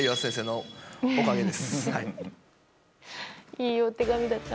いいお手紙だった。